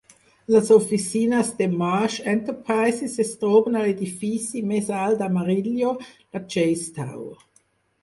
Les oficines de Marsh Enterprises es troben a l'edifici més alt d'Amarillo, la Chase Tower.